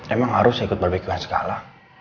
emang harus ikut barbecue an segala